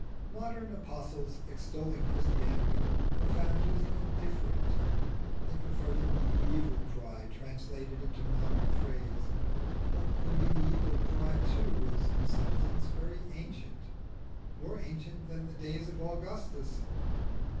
Modern apostles, extolling Christianity, are found using a different tone: they prefer the mediaeval cry translated into modern phrase. But the mediaeval cry too was in substance very ancient more ancient than the days of Augustus.